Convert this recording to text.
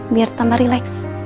biar tambah rileks